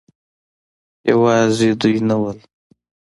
يوازې دوي نه وو